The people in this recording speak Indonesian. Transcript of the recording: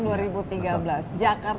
jakarta akhirnya baru sekarang